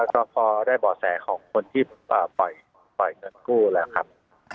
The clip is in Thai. ก็พอได้บ่อแสของคนที่ปล่อยเงินกู้แล้วครับ